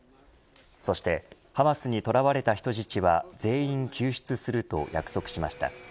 そしてハマスに捕らわれた人質は全員救出すると約束しました。